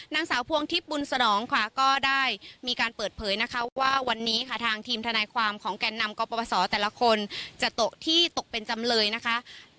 นางสาวพวงทิพย์บุญสนองค่ะก็ได้มีการเปิดเผยนะคะว่าวันนี้ค่ะทางทีมทนายความของแก่นนำกรปศแต่ละคนจะตกที่ตกเป็นจำเลยนะคะ